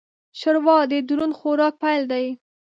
ښوروا د دروند خوراک پیل دی.